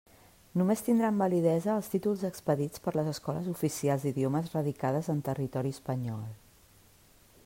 Només tindran validesa els títols expedits per les escoles oficials d'idiomes radicades en territori espanyol.